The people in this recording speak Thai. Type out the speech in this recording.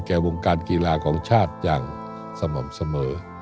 วงการกีฬาของชาติอย่างสม่ำเสมอ